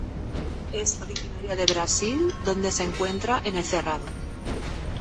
Es originaria de Brasil donde se encuentra en el Cerrado.